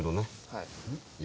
はい。